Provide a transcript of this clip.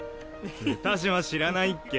歌島知らないっけ？